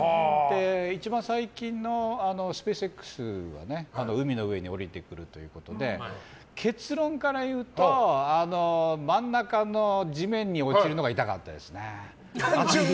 一番最近のスペースＸは海の上に降りてくるということで結論から言うと真ん中の地面に落ちるのが痛かったですね。